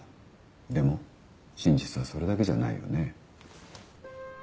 でも真実はそれだけじゃないよね。